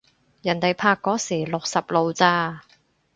人哋拍嗰時六十路咋